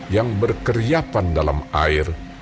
yang berkeriapan dalam air